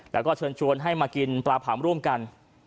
แล้วก็เชิญชวนให้มากินปลาผังร่วมกัน